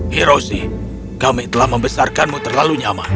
hiroshi kami telah membesarkanmu terlalu nyaman